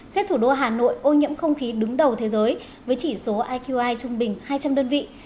xếp thủ đô hà nội ô nhiễm không khí đứng đầu thế giới với chỉ số iqi trung bình hai trăm linh đơn vị